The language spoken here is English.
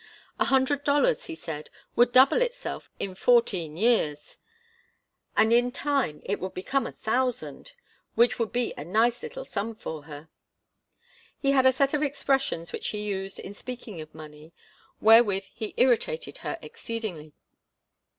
A hundred dollars, he said, would double itself in fourteen years, and in time it would become a thousand, which would be 'a nice little sum for her.' He had a set of expressions which he used in speaking of money, wherewith he irritated her exceedingly.